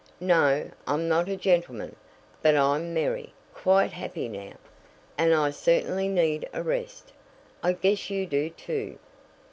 "No, I'm not a gentleman, but I'm merry quite happy now, and I certainly need a rest. I guess you do, too."